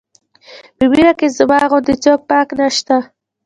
په مینه کې زما غوندې څوک پاک نه شته.